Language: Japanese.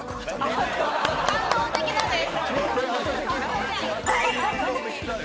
感動的なです。